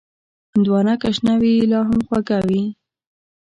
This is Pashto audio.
هندوانه که شنه وي، لا هم خوږه وي.